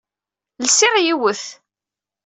Llseɣ yiwet.